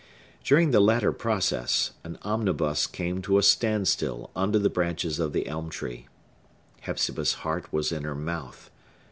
During the latter process, an omnibus came to a stand still under the branches of the elm tree. Hepzibah's heart was in her mouth.